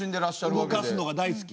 動かすのが大好き？